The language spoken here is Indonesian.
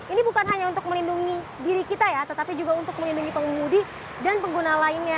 ini bukan hanya untuk melindungi diri kita ya tetapi juga untuk melindungi pengemudi dan pengguna lainnya